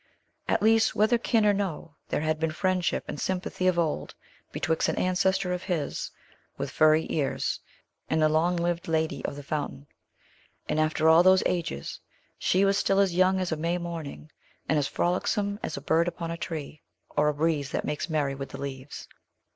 At least, whether kin or no, there had been friendship and sympathy of old betwixt an ancestor of his, with furry ears, and the long lived lady of the fountain. And, after all those ages, she was still as young as a May morning, and as frolicsome as a bird upon a tree, or a breeze that makes merry with the leaves.